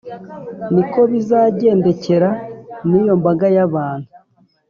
Ni ko bizagendekera n’iyo mbaga y’abantu,